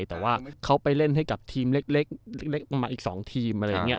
แต่ว่าเขาไปเล่นให้กับทีมเล็กมาอีก๒ทีมอะไรอย่างนี้